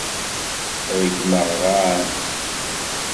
Ṛeggmeɣ-am.